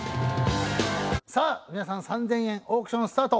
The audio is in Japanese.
さあ皆さん３０００円オークションスタート。